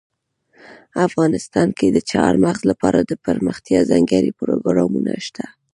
افغانستان کې د چار مغز لپاره دپرمختیا ځانګړي پروګرامونه شته.